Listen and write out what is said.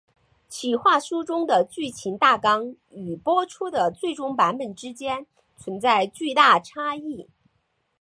企划书中的剧情大纲与播出的最终版本之间存在巨大差异。